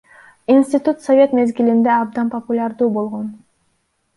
Институт совет мезгилинде абдан популярдуу болгон.